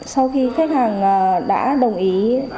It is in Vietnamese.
sau khi khách hàng đã đồng ý